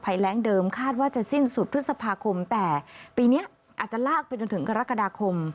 แรงเดิมคาดว่าจะสิ้นสุดพฤษภาคมแต่ปีนี้อาจจะลากไปจนถึงกรกฎาคม